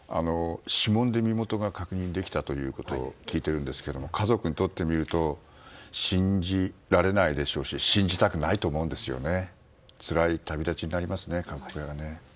指紋で身元が確認できたということを聞いているんですけれども家族にとってみると信じられないでしょうし信じたくないと思うんですよね。